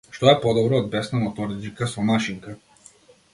Што е подобро од бесна моторџика со машинка?